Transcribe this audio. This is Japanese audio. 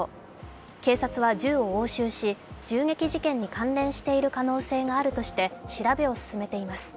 警察は銃を押収し銃撃事件に関連している可能性があるとして調べを進めています。